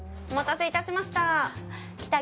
お待たせいたしました。